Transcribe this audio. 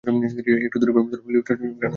একটু দূরে প্রফেসর লিওর স্ট্যাচু গান হাতে দাঁড়িয়ে।